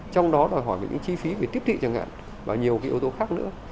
trong đó đòi hỏi về những chi phí về tiếp thị chẳng hạn và nhiều cái yếu tố khác nữa